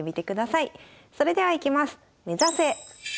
それではいきます。